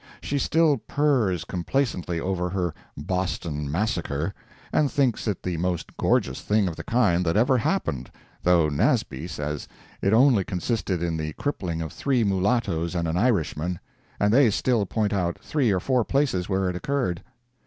She still purrs complacently over her "Boston Massacre," and thinks it the most gorgeous thing of the kind that ever happened, though Nasby says it only consisted in the crippling of three mulattoes and an Irishman—and they still point out three or four places where it occurred.